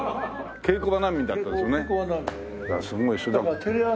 稽古場。